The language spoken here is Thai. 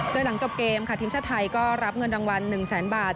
โดยหลังจบเกมค่ะทีมชาติไทยก็รับเงินรางวัล๑แสนบาท